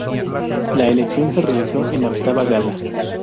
La elección se realizó en la octava gala.